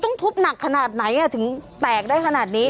ต้องทุบหนักขนาดไหนถึงแตกได้ขนาดนี้